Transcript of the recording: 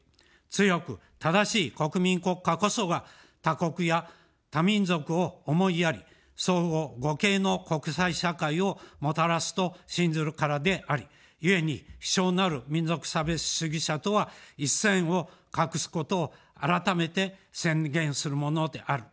強く正しい国民国家こそが他国や他民族を思いやり、相互互恵の国際社会をもたらすと信ずるからであり、ゆえに卑小なる民族差別主義者とは一線を画すことを改めて宣言するものである。